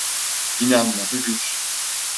İnanması güç.